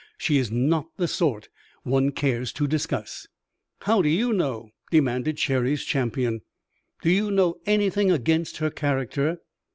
"She is not the sort one cares to discuss." "How do you know?" demanded Cherry's champion. "Do you know anything against her character?"